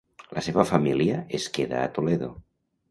La seva família es queda a Toledo.